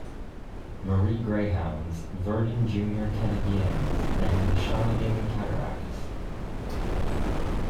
Marie Greyhounds, Verdun Junior Canadiens and the Shawinigan Cataractes.